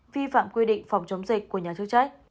vi phạm quy định phòng chống dịch của nhà chức trách